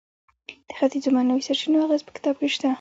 د ختیځو معنوي سرچینو اغیز په کتاب کې شته.